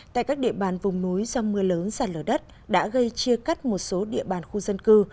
tại các địa bàn vùng núi do mưa lớn sạt lở đất đã gây chia cắt một số địa bàn khu dân cư